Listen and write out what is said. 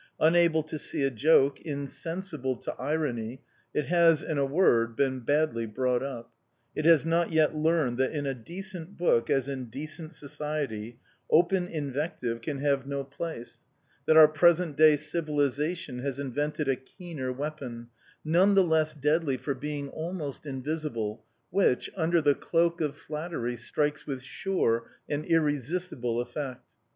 Unable to see a joke, insensible to irony, it has, in a word, been badly brought up. It has not yet learned that in a decent book, as in decent society, open invective can have no place; that our present day civilisation has invented a keener weapon, none the less deadly for being almost invisible, which, under the cloak of flattery, strikes with sure and irresistible effect.